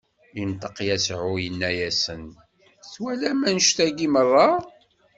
Inṭeq Yasuɛ, inna-asen: Twalam annect-agi meṛṛa?